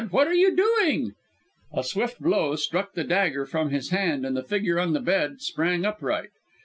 what are you doing!" A swift blow struck the dagger from his hand and the figure on the bed sprang upright.